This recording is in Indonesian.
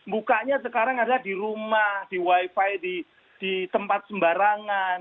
bukanya sekarang adalah di rumah di wifi di tempat sembarangan